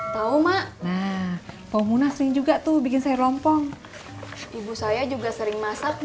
tahu mak nah pohon munah sering juga tuh bikin sayur lompong ibu saya juga sering masak